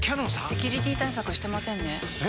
セキュリティ対策してませんねえ！